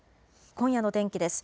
今夜の天気です。